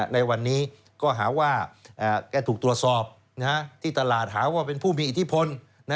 ในวันนี้ก็หาว่าแกถูกตรวจสอบที่ตลาดหาว่าเป็นผู้มีอิทธิพล